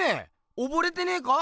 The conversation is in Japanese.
おぼれてねえか？